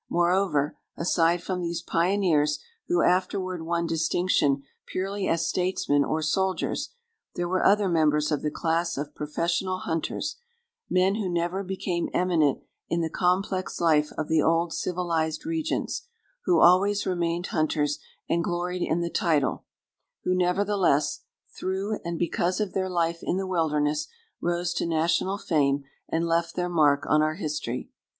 Moreover, aside from these pioneers who afterward won distinction purely as statesmen or soldiers, there were other members of the class of professional hunters men who never became eminent in the complex life of the old civilized regions, who always remained hunters, and gloried in the title who, nevertheless, through and because of their life in the wilderness, rose to national fame and left their mark on our history.